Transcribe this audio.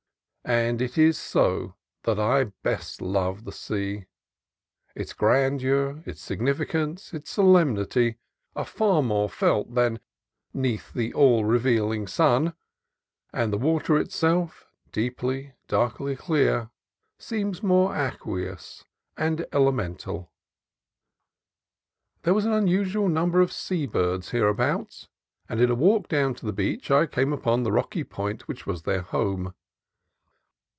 It is so that I best love the sea. Its grandeur, its significance, its solemnity, are far more felt than "'neath the all revealing sun"; and the water itself, deeply, darkly clear, seems more aque ous and elemental. There was an unusual number of sea birds here abouts, and in a walk down the beach I came upon the rocky point which was their home.